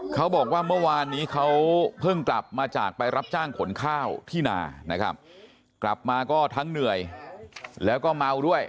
เขาบอกว่าเมื่อวานนี้เขาเพิ่งกลับมาจากไปรับจ้างขนข้าวที่นานะครับกลับมาก็ทั้งเหนื่อยแล้วก็เมาด้วย